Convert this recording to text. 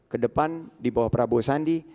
kedepan di bawah prabowo sandi